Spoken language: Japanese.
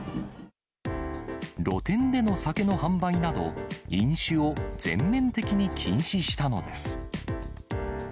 露店での酒の販売など、飲酒を全面的に禁止したのです。